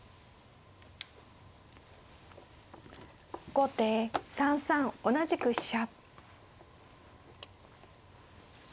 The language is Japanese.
後手３三同じく飛車。